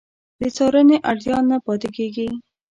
د څارنې اړتیا نه پاتې کېږي.